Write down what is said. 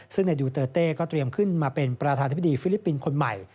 ซึ่งในดูเตอร์เต้ก็เตรียมขึ้นมาเป็นประธานธิบดีฟิลิปปินส์คนใหม่